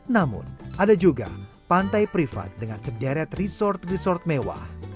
namun ada juga pantai privat dengan sederet resort resort mewah